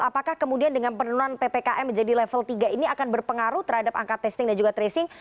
apakah kemudian dengan penurunan ppkm menjadi level tiga ini akan berpengaruh terhadap angka testing dan juga tracing